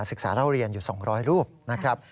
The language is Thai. ศึกษาราวเรียนอยู่๒๐๐รูปนะครับ